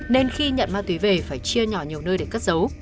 nên khi nhận ma túy về phải chia nhỏ nhiều nơi để cất giấu